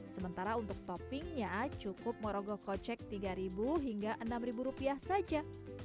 sementara untuk toppingnya cukup morogokocek tiga hingga enam rupiah saja